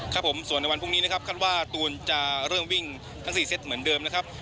ครับผมส่วนในวันพรุ่งนี้นะครับคาดว่าตูนจะเริ่มวิ่งทั้ง๔เซตเหมือนเดิมนะครับ